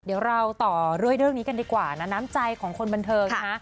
เดี๋ยวเราต่อด้วยเรื่องนี้กันดีกว่านะน้ำใจของคนบันเทิงนะคะ